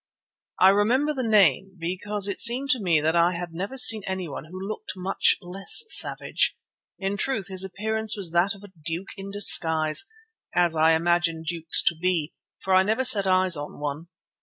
I remember the name, because it seemed to me that I had never seen anyone who looked much less savage. In truth, his appearance was that of a duke in disguise, as I imagine dukes to be, for I never set eyes on one.